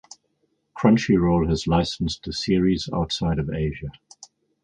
Crunchyroll has licensed the series outside of Asia.